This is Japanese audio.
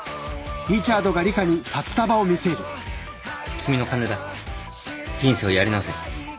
君の金だ人生をやり直せ。